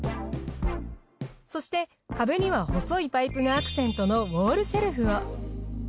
そして壁には細いパイプがアクセントのウォールシェルフを。